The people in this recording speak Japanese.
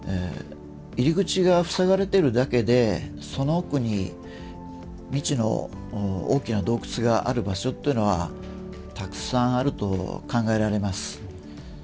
入り口が塞がれているだけで、その奥に未知の大きな洞窟がある場所というのは、たくさんあると考えられます。